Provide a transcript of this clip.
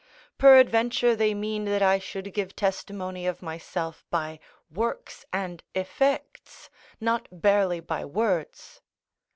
Peradventure they mean that I should give testimony of myself by works and effects, not barely by words.